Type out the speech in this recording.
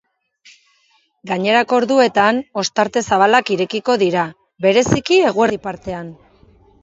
Gainerako orduetan, ostarte zabalak irekiko dira, bereziki eguerdi partean.